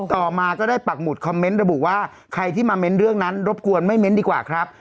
ต่อมาก็ได้ปักหมุดคอมเมนต์ระบุว่าใครที่มาเม้นเรื่องนั้นรบกวนไม่เน้นดีกว่าครับ